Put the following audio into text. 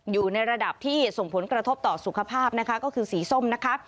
อยู่ในระดับที่ส่งผลกระทบต่อสุขภาพนะคะก็คือสีส้มนะคะ